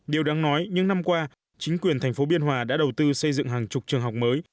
điều đáng nói những năm qua chính quyền thành phố biên hòa đã đầu tư xây dựng hàng chục trường học mới